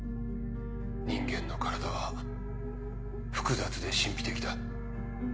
人間の体は複雑で神秘的だ。